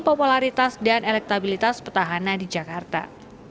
popularitas dan elektabilitas petahana di jakarta